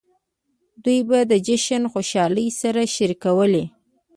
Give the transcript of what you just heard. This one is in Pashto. دوی به د جشن خوشحالۍ سره شریکولې.